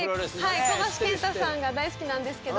はい小橋建太さんが大好きなんですけど。